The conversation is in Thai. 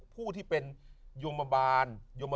ผู้ที่เป็นโยมบาล